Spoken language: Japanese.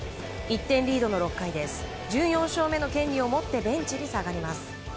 １点リードの６回１４勝目の権利を持ってベンチに下がります。